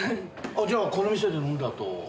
じゃあこの店で飲んだあと。